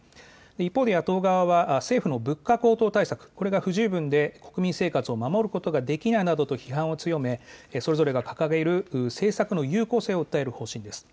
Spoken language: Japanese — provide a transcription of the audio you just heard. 一方で野党側は政府の物価高騰対策、これが不十分で国民生活を守ることができないなどと批判を強め、それぞれが掲げる政策の有効性を訴える方針です。